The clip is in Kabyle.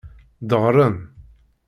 Deɣren.